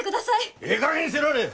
ええかげんにせられえ！